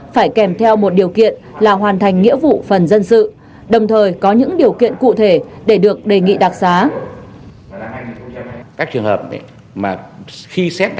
phải kèm theo một điều kiện là hoàn thành nghĩa vụ phần dân sự đồng thời có những điều kiện cụ thể để được đề nghị đặc xá